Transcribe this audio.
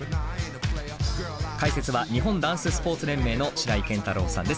解説は日本ダンススポーツ連盟の白井健太朗さんです。